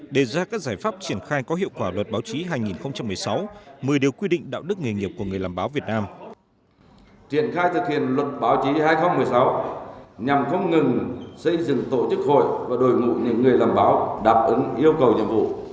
đề ra các giải pháp triển khai có hiệu quả luật báo chí hai nghìn một mươi sáu một mươi điều quy định đạo đức nghề nghiệp của người làm báo việt nam